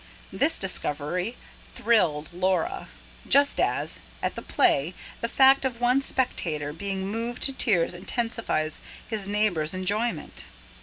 This discovery thrilled Laura just as, at the play, the fact of one spectator being moved to tears intensifies his neighbour's enjoyment.